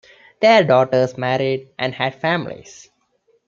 Their daughters married and had families.